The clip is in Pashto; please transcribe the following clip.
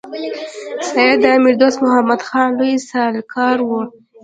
سید د امیر دوست محمد خان لوی سلاکار وو.